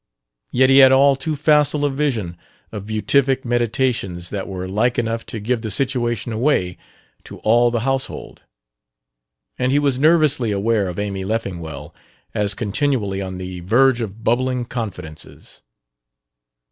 Yet he had all too facile a vision of beatific meditations that were like enough to give the situation away to all the household; and he was nervously aware of Amy Leffingwell as continually on the verge of bubbling confidences.